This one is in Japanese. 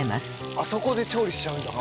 あそこで調理しちゃうんだ。